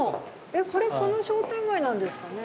えこれこの商店街なんですかね。